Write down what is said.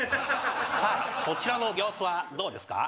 さあそちらの様子はどうですか？